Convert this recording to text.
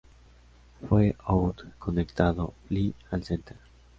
Fue out Conectando fly al center.